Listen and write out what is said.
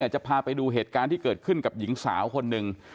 จะพาไปดูเหตุการณ์ที่เกิดขึ้นกับหญิงสาวคนหนึ่ง